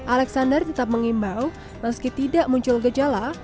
alexander tetap mengimbau meski tidak muncul gejala